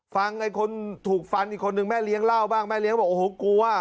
ไอ้คนถูกฟันอีกคนนึงแม่เลี้ยงเล่าบ้างแม่เลี้ยงบอกโอ้โหกลัว